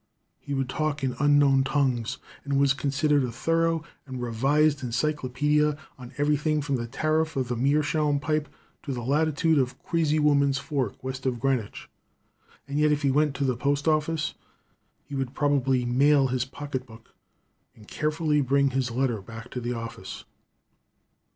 He would talk in unknown tongues, and was considered a thorough and revised encyclopedia on everything from the tariff on a meerschaum pipe to the latitude of Crazy Woman's Fork west of Greenwich, and yet if he went to the postoffice he would probably mail his pocketbook and carefully bring his letter back to the office.